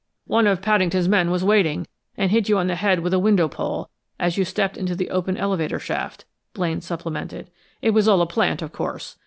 "One of Paddington's men was waiting, and hit you on the head with a window pole, as you stepped into the open elevator shaft," Blaine supplemented. "It was all a plant, of course.